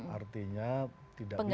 artinya tidak bisa